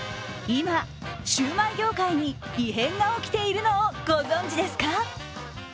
今、シュウマイ業界に異変が起きているのをご存じですか？